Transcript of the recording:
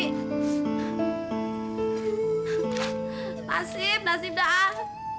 nasib nasib dah